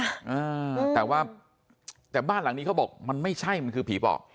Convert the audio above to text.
อ่าแต่ว่าแต่บ้านหลังนี้เขาบอกมันไม่ใช่มันคือผีปอบ